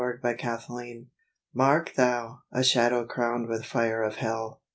THE UNATTAINABLE Mark thou! a shadow crowned with fire of hell.